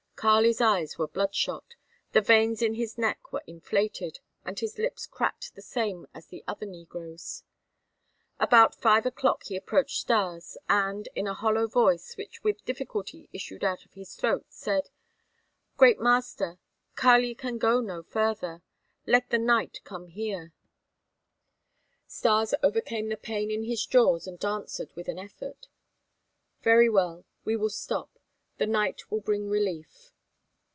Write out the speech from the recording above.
Kali's eyes were bloodshot, the veins in his neck were inflated, and his lips cracked the same as the other negroes. About five o'clock he approached Stas and, in a hollow voice which with difficulty issued out of his throat, said: "Great master, Kali can go no further. Let the night come here." Stas overcame the pain in his jaws and answered with an effort: "Very well. We will stop. The night will bring relief."